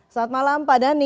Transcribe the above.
selamat malam pak dhani